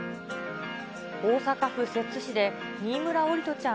大阪府摂津市で新村桜利斗ちゃん